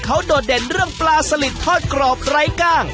เขาโดดเด่นเรื่องปลาสลิดทอดกรอบไร้กล้าง